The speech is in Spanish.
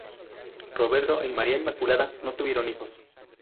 Roberto y María Inmaculada no tuvieron hijos.